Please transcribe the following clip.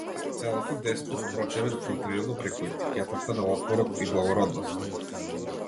Целото дејство впрочем е филтритано преку етикетата на отпорот и благородноста.